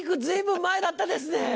随分前だったですね。